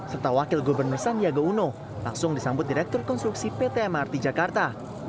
serta wakil gubernur sandiaga uno langsung disambut direktur konstruksi pt mrt jakarta